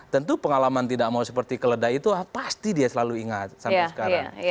tentu pengalaman tidak mau seperti keledai itu pasti dia selalu ingat sampai sekarang